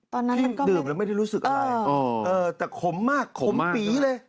พี่ดื่มแล้วไม่ได้รู้สึกอะไรแต่ขมมากขมปีเลย